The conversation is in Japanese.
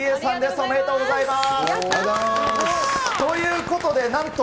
ありがとうございます。